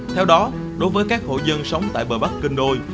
theo đó đối với các hộ dân sống tại bờ bắc kênh đôi